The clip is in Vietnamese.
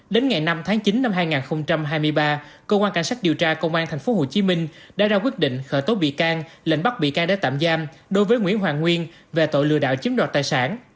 đến ngày năm tháng chín năm hai nghìn hai mươi ba cơ quan cảnh sát điều tra công an tp hcm đã ra quyết định khởi tố bị can lệnh bắt bị can để tạm giam đối với nguyễn hoàng nguyên về tội lừa đảo chiếm đoạt tài sản